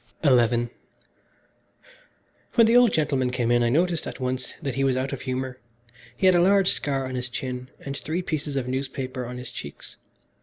XI When the old gentleman came in I noticed at once that he was out of humour. He had a large scar on his chin, and three pieces of newspaper on his cheeks.